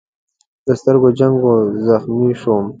د سترګو جنګ و، زخمي شوم.